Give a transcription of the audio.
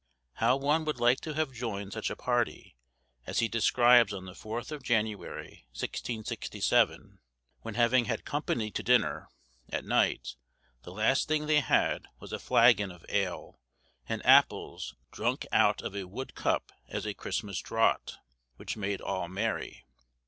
How one would like to have joined such a party as he describes on the 4th of January, 1667, when having had company to dinner, at night, the last thing they had was a flagon of ale and apples drunk out of a wood cup as a Christmas draught, which made all merry!